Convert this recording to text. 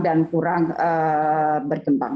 dan kurang berkembang